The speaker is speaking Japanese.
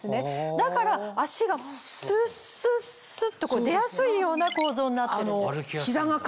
だから脚がスッスッスッと出やすいような構造になってるんです。